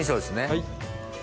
はい。